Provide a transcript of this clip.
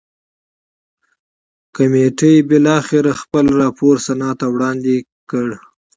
کمېټې بالاخره خپل راپور سنا ته وړاندې کړ.